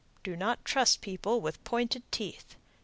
Do not trust people with pointed teeth.